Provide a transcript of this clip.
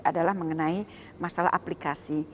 adalah mengenai masalah aplikasi